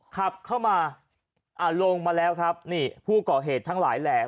ขับเข้ามาอ่าลงมาแล้วครับนี่ผู้ก่อเหตุทั้งหลายแหล่